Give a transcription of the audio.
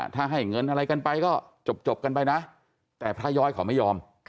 ถ้าให้เงินอะไรกันไปก็จบกันไปนะแต่พระย้อยเขาไม่ยอม